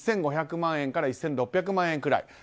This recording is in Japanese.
１５００万円から１６００万円ぐらい。